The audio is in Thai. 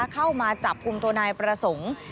เข้ามาจับกุมตัวนายประศง